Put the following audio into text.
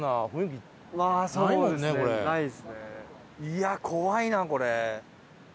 いや怖いなこれ。